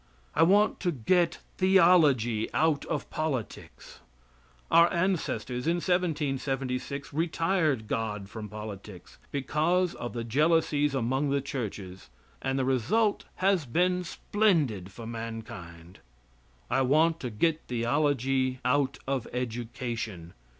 I want to get theology out of politics. Our ancestors in 1776 retired God from politics, because of the jealousies among the churches, and the result has been splendid for mankind. I want to get theology out of education.